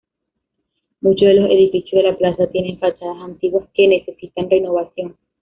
Muchos de los edificios de la plaza tienen fachadas antiguas que necesitan renovación.